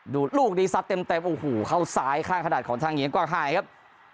ลูกดีซัดเต็มโอ้โหเข้าซ้ายข้างขนาดของทางเหงียงกวางหายครับ